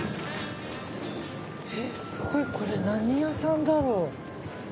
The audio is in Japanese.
すごいこれ何屋さんだろう？